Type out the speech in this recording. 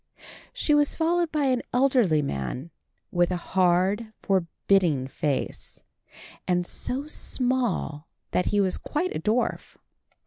She was followed by an elderly man with a hard, forbidding face, and so small that he was quite a dwarf.